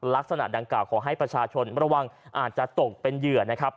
ลักษณะดังกล่าขอให้ประชาชนระวังอาจจะตกเป็นเหยื่อนะครับ